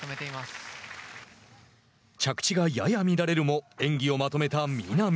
着地がやや乱れるも演技をまとめた南。